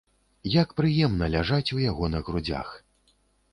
Як прыемна ляжаць у яго на грудзях!